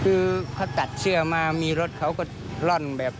คือเขาตัดเสื้อมามีรถเขาก็ร่อนแบบ